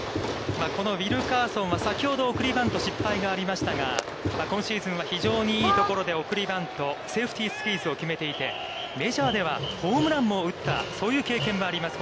このウィルカーソンは、先ほど送りバント失敗がありましたが、非常にいいところで送りバント、セーフティースクイズを決めていて、メジャーではホームランも打ったそういう経験もあります